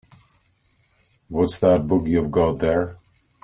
What's that book you've got there?